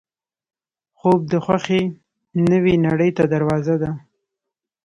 خوب د خوښۍ نوې نړۍ ته دروازه ده